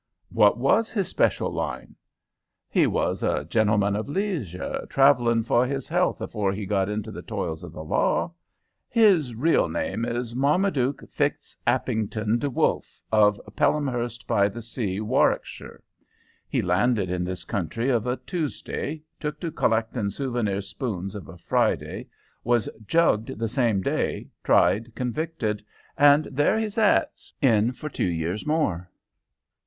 "What was his special line?" "He was a gentleman of leisure travellin' for his health afore he got into the toils o' the law. His real name is Marmaduke Fitztappington De Wolfe, of Pelhamhurst by the Sea, Warwickshire. He landed in this country of a Tuesday, took to collectin' souvenir spoons of a Friday, was jugged the same day, tried, convicted, and there he sets. In for two years more."